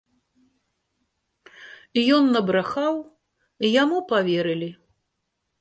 Ён набрахаў, яму паверылі.